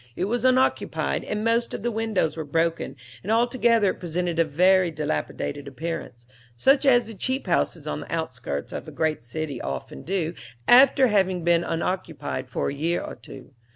It was unoccupied, and many of the windows were broken, and altogether it presented a very dilapidated appearance, such as the cheap houses on the outskirts of a great city often do after having been unoccupied for a year or two.